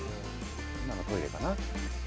今のトイレかな。